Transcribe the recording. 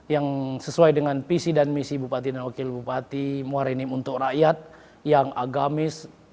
yang sesuai dengan visi dan misi bupati dan wakil bupati muara ini untuk rakyat yang agamis